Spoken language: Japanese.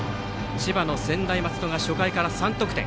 千葉の専大松戸が初回から３得点。